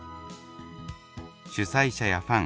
主催者やファン